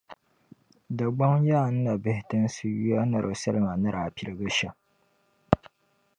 Dagbaŋ Ya-Nabihi tinsi yuya ni di salima ni daa piligi shɛm.